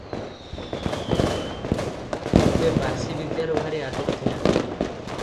"ପୂର୍ବେ ପାର୍ସିବିଦ୍ୟାର ଭାରି ଆଦର ଥିଲା ।